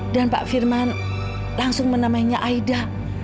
pak firman langsung menamainya aida